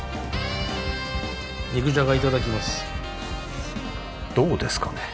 肉じゃがいただきますどうですかね？